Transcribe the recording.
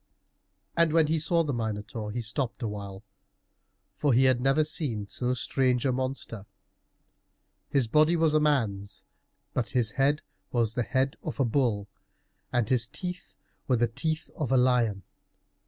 And when he saw the Minotaur, he stopped a while, for he had never seen so strange a monster. His body was a man's, but his head was the head of a bull, and his teeth were the teeth of a lion.